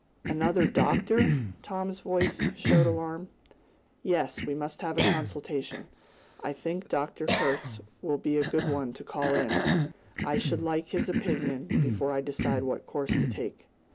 "Another doctor?" Tom's voice showed his alarm. "Yes, we must have a consultation. I think Dr. Kurtz will be a good one to call in. I should like his opinion before I decide what course to take."